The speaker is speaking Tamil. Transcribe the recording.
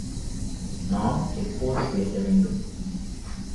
நாம் எப்போது பேச வேண்டும்?